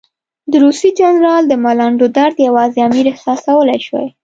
د روسي جنرال د ملنډو درد یوازې امیر احساسولای شوای.